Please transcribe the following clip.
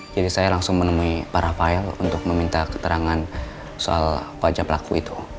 jadi saya langsung menemui para file untuk meminta keterangan soal wajah pelaku itu